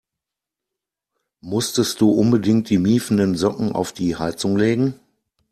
Musstest du unbedingt die miefenden Socken auf die Heizung legen?